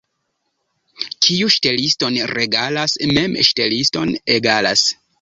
Kiu ŝteliston regalas, mem ŝteliston egalas.